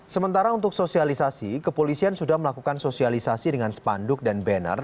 sementara untuk sosialisasi kepolisian sudah melakukan sosialisasi dengan spanduk dan banner